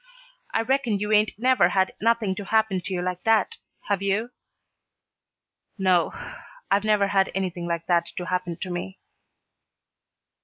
I reckon you 'ain't never had nothing to happen to you like that, have you?" "No, I've never had anything like that to happen to me."